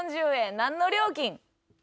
何の料金？